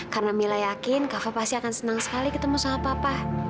karena mila yakin kava pasti akan senang sekali ketemu sama papa